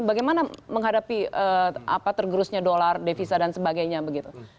bagaimana menghadapi tergerusnya dolar devisa dan sebagainya begitu